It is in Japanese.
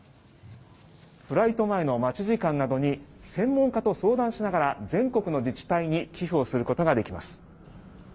フライト前の待ち時間などに専門家と相談しながら全国の自治体に寄付をすることができます。